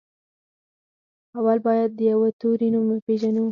اول بايد د يوه توري نوم وپېژنو.